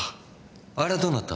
あれはどうなった？